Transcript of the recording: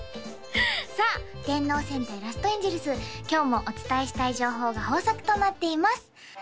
さあ「電脳戦隊ラストエンジェルス」今日もお伝えしたい情報が豊作となっています